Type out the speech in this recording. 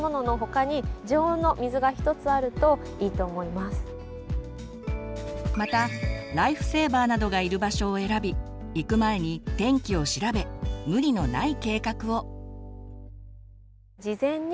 おすすめとしては意外とまたライフセーバーなどがいる場所を選び行く前に天気を調べ無理のない計画を。